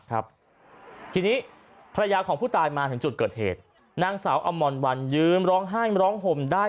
ครับทีนี้ภรรยาของผู้ตายมาถึงจุดเกิดเหตุนางสาวอมรวันยืนร้องไห้ร้องห่มได้